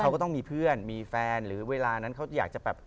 เขาก็ต้องมีเพื่อนมีแฟนหรือเวลานั้นเขาอยากจะแบบ